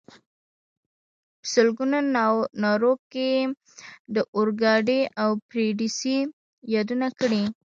په سلګونو نارو کې یې د اورګاډي او پردیسۍ یادونه کړې.